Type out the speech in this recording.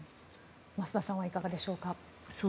増田さんはいかがでしょうか。